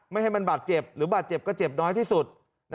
ให้มันบาดเจ็บหรือบาดเจ็บก็เจ็บน้อยที่สุด